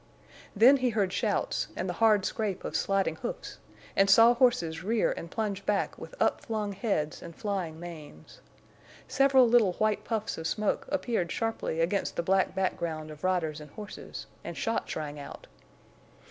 Then he heard shouts, and the hard scrape of sliding hoofs, and saw horses rear and plunge back with up flung heads and flying manes. Several little white puffs of smoke appeared sharply against the black background of riders and horses, and shots rang out.